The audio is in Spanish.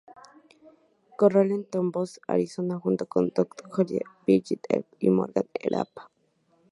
Corral en Tombstone, Arizona, junto con Doc Holliday, Virgil Earp y Morgan Earp.